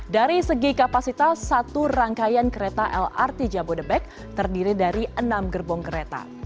dari segi kapasitas satu rangkaian kereta lrt jabodebek terdiri dari enam gerbong kereta